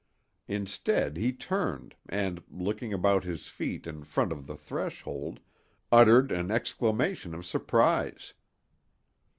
Instead he turned and, looking about his feet in front of the threshold, uttered an exclamation of surprise.